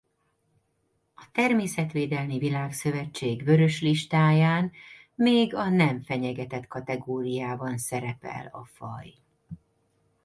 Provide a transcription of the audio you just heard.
A Természetvédelmi Világszövetség Vörös listáján még a nem fenyegetett kategóriában szerepel a faj.